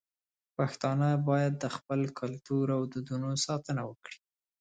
پښتانه بايد د خپل کلتور او دودونو ساتنه وکړي.